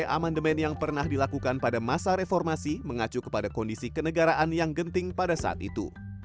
amandemen yang pernah dilakukan pada masa reformasi mengacu kepada kondisi kenegaraan yang genting pada saat itu